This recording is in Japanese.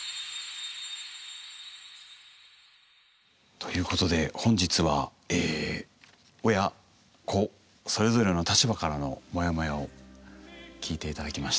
ということで本日はえ親子それぞれの立場からのモヤモヤを聞いて頂きました。